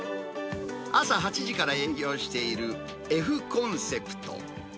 朝８時から営業しているエフコンセプト。